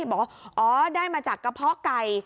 บอกว่าอ๋อได้มาจากกระเพาะไก่